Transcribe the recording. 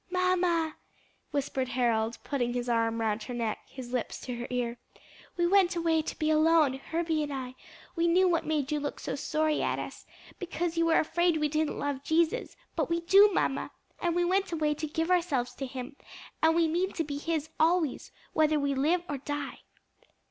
"Mamma," whispered Harold, putting his arm round her neck, his lips to her ear, "we went away to be alone, Herbie and I; we knew what made you look so sorry at us; because you were afraid we didn't love Jesus; but we do, mamma, and we went away to give ourselves to him; and we mean to be his always, whether we live or die."